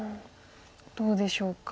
どうでしょうか？